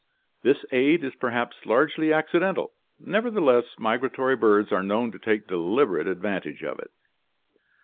This aid is perhaps largely accidental, never theless migratory birds are known to take deliberate advantage of it.